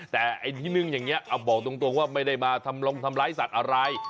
แต่ไอ้ที่นึ่งอย่างนี้บอกตรงว่าไม่ได้มาทำลงทำร้ายสัตว์อะไร